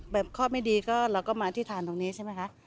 ข้อไม่ดีก็เราก็มาที่ฐานตรงนี้ใช่ไหมคะ